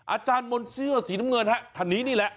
อาจารย์มนต์เสื้อสีน้ำเงินฮะท่านนี้นี่แหละ